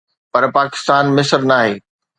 پر پاڪستان مصر ناهي.